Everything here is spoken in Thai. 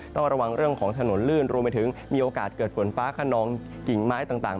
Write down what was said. ต้องระวังเรื่องของถนนลื่นรวมไปถึงมีโอกาสเกิดฝนฟ้าขนองกิ่งไม้ต่าง